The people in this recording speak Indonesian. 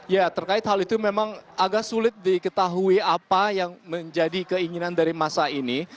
ya terkait hal itu memang agak sulit diketahui apa yang menjadi keinginan dari masa ini